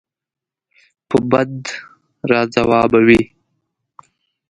په بد راځوابوي.